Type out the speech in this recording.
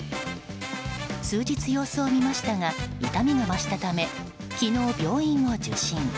数日、様子を見ましたが痛みが増したため昨日、病院を受診。